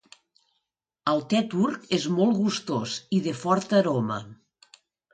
El te turc és molt gustós i de forta aroma.